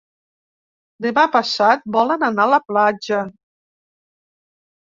Demà passat volen anar a la platja.